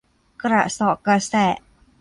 กระเสาะกระแสะ